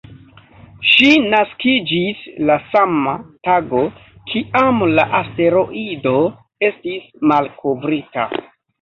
Ŝi naskiĝis la sama tago, kiam la asteroido estis malkovrita.